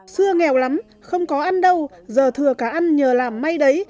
xưa nghèo lắm không có ăn đâu giờ thừa cả ăn nhờ làm may đấy